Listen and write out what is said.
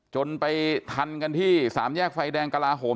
จนไปทันกันที่สามแยกไฟแดงกลาโหม